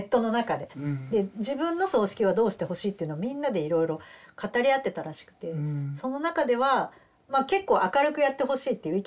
で自分の葬式はどうしてほしいというのをみんなでいろいろ語り合ってたらしくてその中ではまあ結構明るくやってほしいっていう意見が多数で。